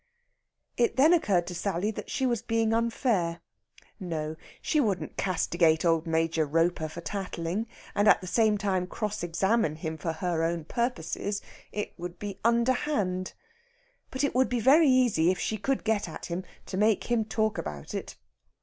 It then occurred to Sally that she was being unfair. No, she wouldn't castigate old Major Roper for tattling, and at the same time cross examine him for her own purposes. It would be underhand. But it would be very easy, if she could get at him, to make him talk about it.